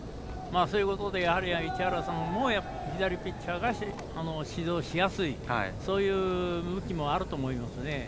そういうことでやはり、市原さんも左ピッチャーを指導しやすいそういう動きもあると思いますね。